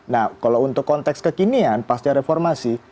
nah kalau untuk konteks kekinian pas ada reformasi